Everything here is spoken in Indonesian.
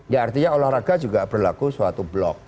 ya artinya olahraga juga berlaku suatu blok